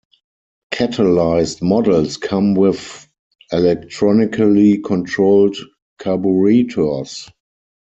Catalyzed models come with electronically controlled carburetors.